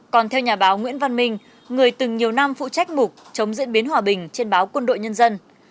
còn theo nhà báo nguyễn văn minh người từng nhiều năm phụ trách mục chống diễn biến hòa bình trên báo quân đội nhân dân